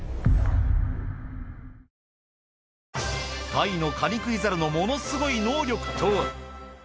タイのカニクイザルのものすごい能力とは？